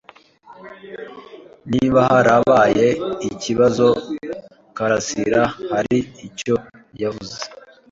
Niba harabaye ikibazo, Karasirahari icyo yavuze.